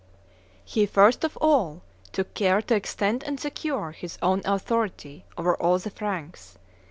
He first of all took care to extend and secure his own authority over all the Franks.